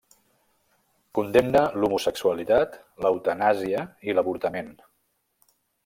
Condemna l'homosexualitat, l'eutanàsia, i l'avortament.